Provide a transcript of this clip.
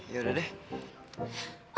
ya udah deh